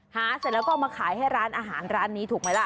เสร็จแล้วก็เอามาขายให้ร้านอาหารร้านนี้ถูกไหมล่ะ